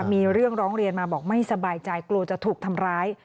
มีเรื่องร้องเรียนมาบอกไม่สบายใจกลัวจะถูกทำร้าย